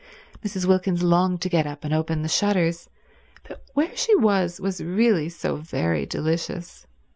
Mrs. Wilkins longed to get up and open the shutters, but where she was was really so very delicious.